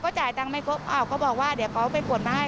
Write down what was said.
จ่ายตังค์ไม่ครบอ้าวเขาบอกว่าเดี๋ยวเขาไปกดมาให้